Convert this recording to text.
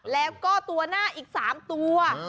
แล้วก็ตัวหน้าอีก๓ตัว